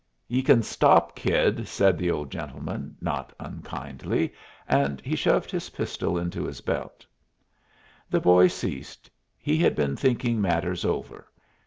"Ye kin stop, kid," said the old gentleman, not unkindly, and he shoved his pistol into his belt. The boy ceased. He had been thinking matters over.